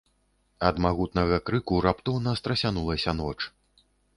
Ад магутнага крыку раптоўна страсянулася ноч.